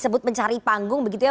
sebut mencari panggung begitu ya